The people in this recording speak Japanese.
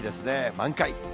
満開。